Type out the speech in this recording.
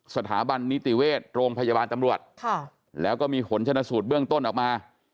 สถาบันนิติเวชโรงพยาบาลตำรวจแล้วก็มีผลชนะสูตรเบื้องต้นออกมา